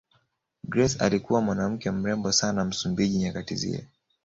Grace alikuwa mwanawake mrembo sana Msumbiji nyakati zile